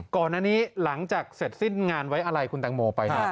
ก่อนอันนี้หลังจากเสร็จสิ้นงานไว้อะไรคุณแตงโมไป